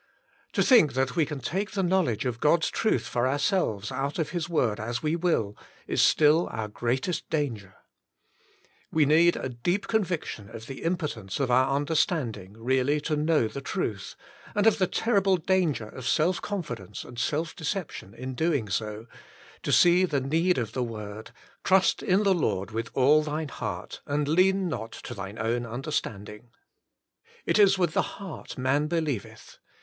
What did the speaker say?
To think that we can take the knowledge of God's truth for ourselves out of His word as we will, is still our greatest danger. We need a deep conviction of the impo tence of our understanding really to know the truth, and of the terrible danger of self confidence 66 The Inner Chamber and self deception in doing so, to see the need of the word, "Trust in the Lord with all thine heart, and lean not to thine understanding." It is with the heart man believeth.